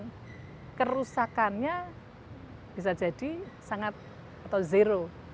karena kerusakannya bisa jadi sangat atau zero